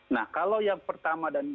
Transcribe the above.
nah kalau yang pertama dan